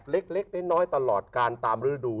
เล็กน้อยตลอดการตามฤดู